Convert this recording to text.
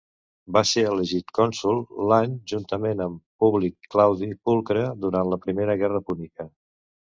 Va ser elegit cònsol l'any juntament amb Publi Claudi Pulcre durant la Primera Guerra Púnica.